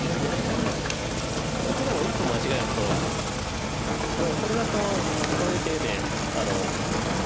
黒も一歩間違えるとこれだとこういう手で。